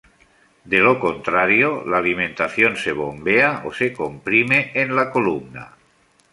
De lo contrario, la alimentación se bombea o se comprime en la columna.